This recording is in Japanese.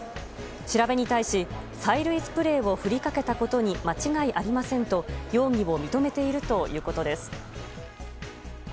調べに対し催涙スプレーを振りかけたことに間違いありませんと容疑を認めているということです。